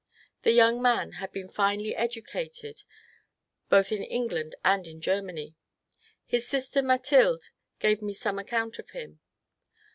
The young man had been finely educated both in England and in Germany. His sister Mathilde gave me some account of him.